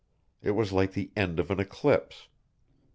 It was like the end of an eclipse.